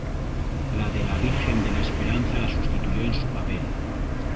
La de la Virgen de la Esperanza la sustituyó en su papel.